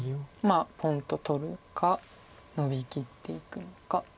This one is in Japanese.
ポンとトブかノビきっていくのか。